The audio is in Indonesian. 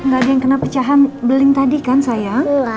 nggak ada yang kena pecahan beling tadi kan sayang